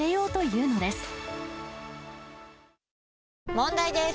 問題です！